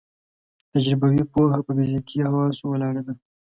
تجربوي پوهه په فزیکي حواسو ولاړه ده.